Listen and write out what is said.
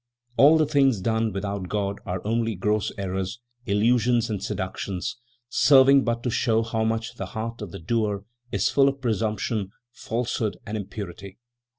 "All the things done without God are only gross errors, illusions and seductions, serving but to show how much the heart of the doer is full of presumption, falsehood and impurity.